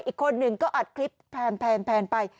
อีกคนหนึ่งก็อัดคลิปแพนไป